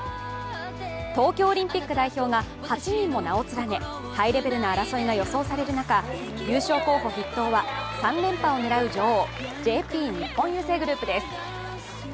東京オリンピック代表が８人も名を連ね、ハイレベルな争いが予想される中優勝候補筆頭は３連覇を狙う女王ＪＰ日本郵政グループです。